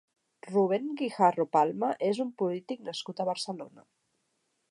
Rubén Guijarro Palma és un polític nascut a Barcelona.